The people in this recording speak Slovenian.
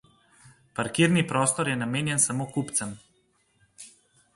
Parkirni prostor je namenjen samo kupcem.